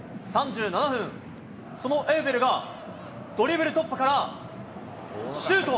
３７分、そのエウベルが、ドリブル突破から、シュート。